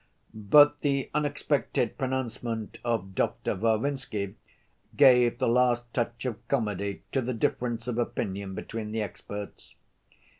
But the unexpected pronouncement of Doctor Varvinsky gave the last touch of comedy to the difference of opinion between the experts.